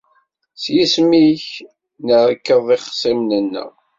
S yisem-ik, nerkeḍ ixṣimen-nneɣ.